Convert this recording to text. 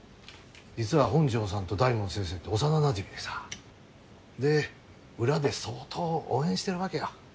実は本城さんと大門先生って幼なじみでさで裏で相当応援してるわけよ。